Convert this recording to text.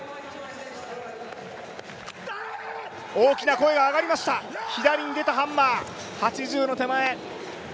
大きな声が上がりました、左に出たハンマー、８０の手前。